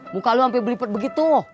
muka lu sampe berlipet begitu